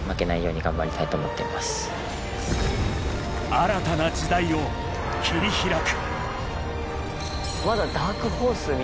新たな時代を切り開く。